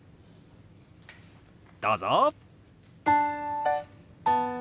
どうぞ！